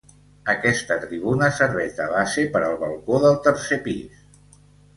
Aquesta tribuna serveix de base per al balcó del tercer pis.